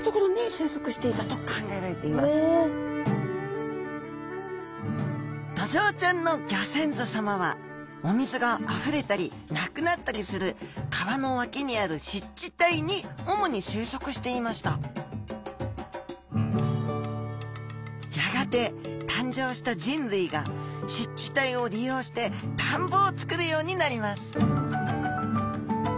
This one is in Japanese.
こういった所にドジョウちゃんのギョ先祖さまはお水があふれたりなくなったりする川の脇にある湿地帯に主に生息していましたやがて誕生した人類が湿地帯を利用して田んぼをつくるようになります